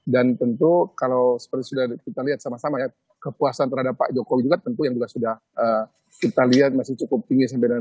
dan tentu kalau seperti sudah kita lihat sama sama ya kepuasan terhadap pak jokowi juga tentu yang sudah kita lihat masih cukup tinggi sampai saat ini